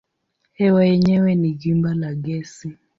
Hewa yenyewe ni gimba la gesi.